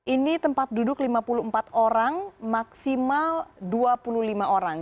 ini tempat duduk lima puluh empat orang maksimal dua puluh lima orang